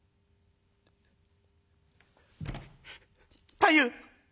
太夫。